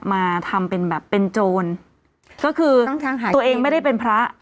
มาทำเป็นแบบเป็นโจรก็คือตัวเองไม่ได้เป็นพระ